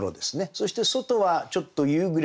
そして外はちょっと夕暮れてきた。